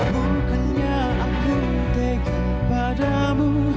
bukannya aku tegang padamu